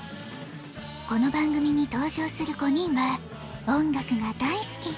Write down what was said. この番組に登場する５人は音楽が大好き。